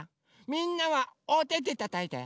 みんなはおててたたいて。